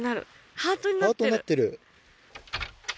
ハートになってる。